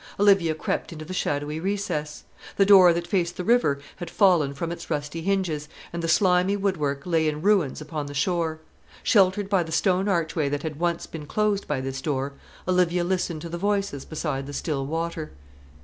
Olivia crept into the shadowy recess. The door that faced the river had fallen from its rusty hinges, and the slimy woodwork lay in ruins upon the shore. Sheltered by the stone archway that had once been closed by this door, Olivia listened to the voices beside the still water.